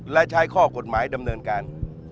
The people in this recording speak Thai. และใช้ข้อกฎหมายดำเนินการ